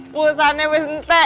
aku usahanya mau sentek